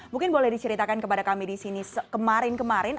mungkin boleh diceritakan kepada kami di sini kemarin kemarin